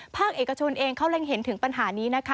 ภาคเอกชนเองเขาเล็งเห็นถึงปัญหานี้นะคะ